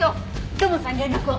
土門さんに連絡を。